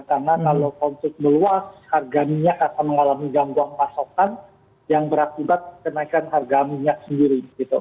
karena kalau konflik meluas harga minyak akan mengalami gangguan pasokan yang berakibat kenaikan harga minyak sendiri